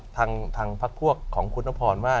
ทางพักพวกของคุณนพรว่า